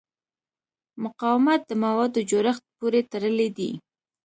مقاومت د موادو جوړښت پورې تړلی دی.